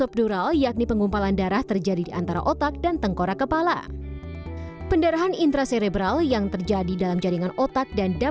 apakah kita punya faktor risiko jantung kalau di keluarga itu ada